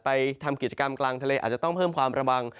ทำกิจกรรมกลางทะเลอาจจะต้องเพิ่มความระวัง